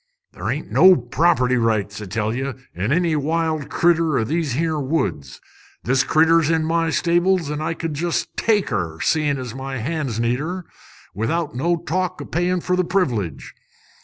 "Ther' ain't no property rights, I tell ye, in any wild critter o' these here woods. This critter's in my stables, an' I could jest take her, seein' as my hands needs her, without no talk o' payin' fer the privilege.